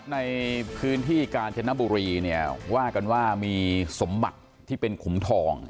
ในพื้นที่กาญจนบุรีเนี่ยว่ากันว่ามีสมบัติที่เป็นขุมทอง